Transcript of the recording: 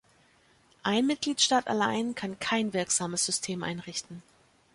Ein Mitgliedstaat allein kann kein wirksames System einrichten.